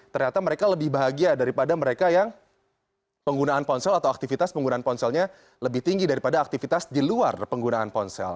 ternyata mereka lebih bahagia daripada mereka yang penggunaan ponsel atau aktivitas penggunaan ponselnya lebih tinggi daripada aktivitas di luar penggunaan ponsel